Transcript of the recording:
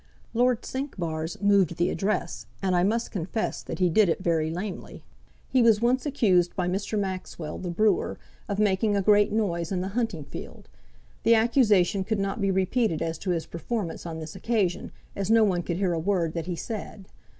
Lord Cinquebars moved the Address, and I must confess that he did it very lamely. He was once accused by Mr. Maxwell, the brewer, of making a great noise in the hunting field. The accusation could not be repeated as to his performance on this occasion, as no one could hear a word that he said.